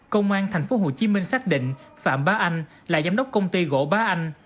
công an tp hcm xác định phạm bá anh là giám đốc công ty gỗ bá anh